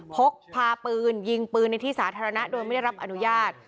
พกพาปืนยิงปืนในที่สาธารณะโดยไม่ได้รับอนุญาต